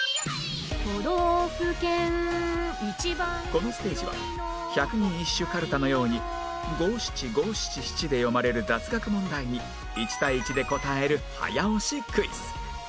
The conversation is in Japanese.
このステージは百人一首かるたのように五七五七七で読まれる雑学問題に１対１で答える早押しクイズ